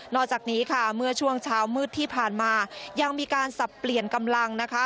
อกจากนี้ค่ะเมื่อช่วงเช้ามืดที่ผ่านมายังมีการสับเปลี่ยนกำลังนะคะ